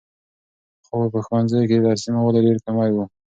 پخوا به په ښوونځیو کې د درسي موادو ډېر کمی و.